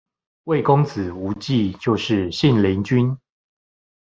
魏公子無忌就是信陵君